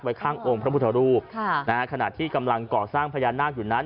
ข้างองค์พระพุทธรูปค่ะนะฮะขณะที่กำลังก่อสร้างพญานาคอยู่นั้น